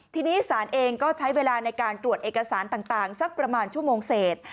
ทีนี้ศาลเองก็ใช้เวลาในการตรวจเอกสารต่างสักประมาณชั่วโมงเศษ